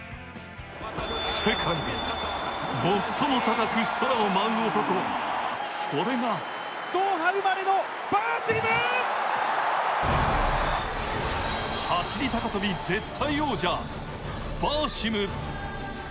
世界で最も高く空を舞う男、それが走高跳絶対王者、バーシム。